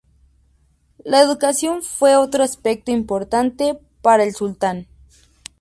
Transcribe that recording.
La educación fue otra aspecto importante para el Sultán.